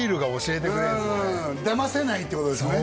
うんだませないってことですね